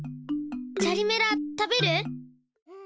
チャリメラ食べるぅ？